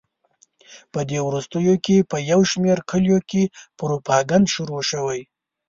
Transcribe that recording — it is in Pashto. په دې وروستیو کې په یو شمېر کلیو کې پروپاګند شروع شوی.